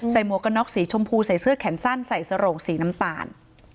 หมวกกันน็อกสีชมพูใส่เสื้อแขนสั้นใส่สโรงสีน้ำตาล